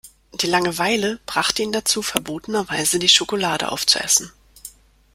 Die Langeweile brachte ihn dazu, verbotenerweise die Schokolade auf zu essen.